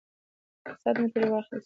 رخصت مو ترې واخیست.